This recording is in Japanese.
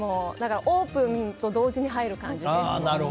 オープンと同時に入る感じで。